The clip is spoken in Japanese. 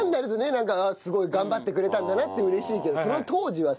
なんかすごい頑張ってくれたんだなって嬉しいけどその当時はさ。